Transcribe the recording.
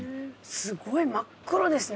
すごい真っ黒ですね。